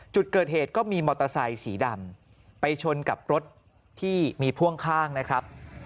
จุดเกิดเหตุก็มีมอเตอร์ไซสีดำไปชนกับรถที่มีพ่วงข้างนะครับ